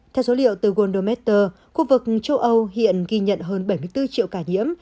theo dấu liệu từ gondometer khu vực châu âu hiện ghi nhận hơn bảy mươi bốn triệu ca nhiễm